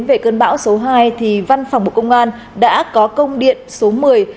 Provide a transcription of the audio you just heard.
về cơn bão số hai thì văn phòng bộ công an đã có công điện số một mươi